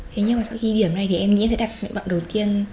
thế nhưng mà sau khi điểm này thì em nghĩ sẽ đặt nguyện vọng đầu tiên